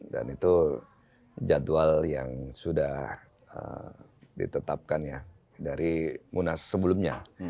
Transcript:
dan itu jadwal yang sudah ditetapkan ya dari munas sebelumnya